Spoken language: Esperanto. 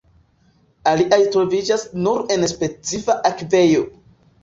Aliaj troviĝas nur en specifa akvejo.